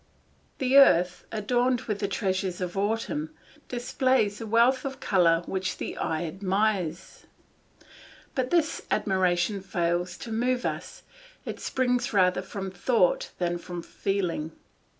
The earth adorned with the treasures of autumn displays a wealth of colour which the eye admires; but this admiration fails to move us, it springs rather from thought than from feeling.